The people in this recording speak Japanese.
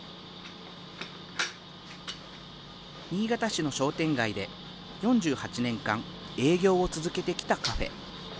新潟市の商店街で４８年間、営業を続けてきたカフェ。